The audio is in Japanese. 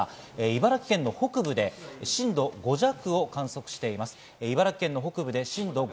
茨城県北部で震度５弱を観測しています。